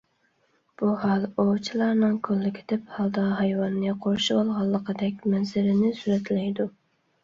بۇ ھال ئوۋچىلارنىڭ كوللېكتىپ ھالدا ھايۋاننى قورشىۋالغانلىقىدەك مەنزىرىنى سۈرەتلەيدۇ.